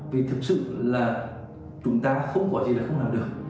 vì thực sự là chúng ta không có gì là không làm được